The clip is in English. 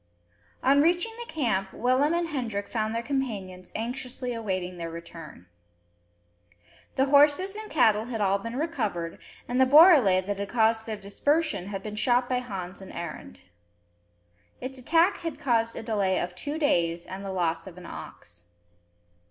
On reaching the camp, Willem and Hendrik found their companions anxiously awaiting their return. The horses and cattle had all been recovered, and the borele that had caused their dispersion had been shot by Hans and Arend. Its attack had caused a delay of two days, and the loss of an ox.